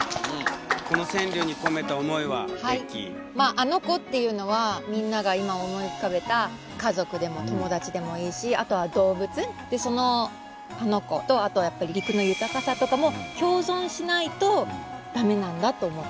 あの子っていうのはみんなが今思い浮かべた家族でも友達でもいいしあとは動物でそのあの子とやっぱり陸の豊かさとかも共存しないと駄目なんだと思って。